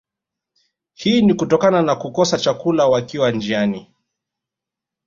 Hii ni kutokana na kukosa chakula wakiwa njiani